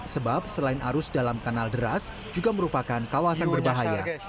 sebab selain arus dalam kanal deras juga merupakan kawasan berbahaya